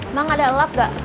emang ada elap gak